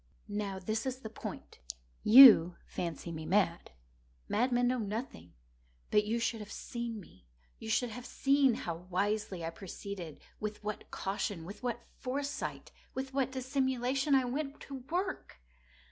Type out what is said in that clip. Now this is the point. You fancy me mad. Madmen know nothing. But you should have seen me. You should have seen how wisely I proceeded—with what caution—with what foresight—with what dissimulation I went to work!